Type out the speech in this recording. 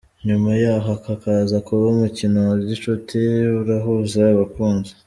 Nyuma yaho hakaza kuba umukino wa gicuti urahuza abakunzi.